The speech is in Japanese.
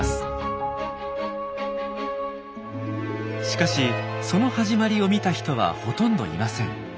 しかしその始まりを見た人はほとんどいません。